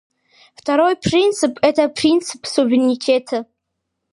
Второй принцип — это принцип суверенитета.